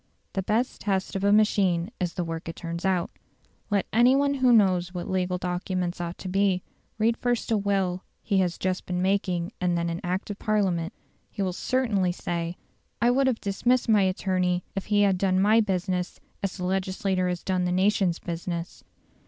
The best test of a machine is the work it turns out. Let any one who knows what legal documents ought to be, read first a will he has just been making and then an Act of Parliament; he will certainly say, "I would have dismissed my attorney if he had done my business as the legislature has done the nation's business".